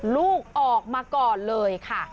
ลูกออกมาก่อนเลยค่ะ